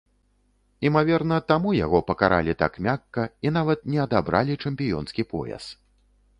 Імаверна, таму яго пакаралі так мякка і нават не адабралі чэмпіёнскі пояс.